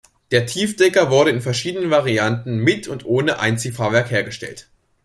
Der Tiefdecker wurde in verschiedenen Varianten mit und ohne Einziehfahrwerk hergestellt.